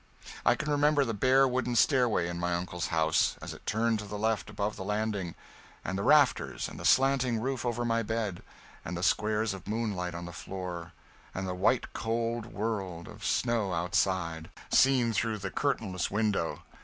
I can remember the bare wooden stairway in my uncle's house, and the turn to the left above the landing, and the rafters and the slanting roof over my bed, and the squares of moonlight on the floor, and the white cold world of snow outside, seen through the curtainless window.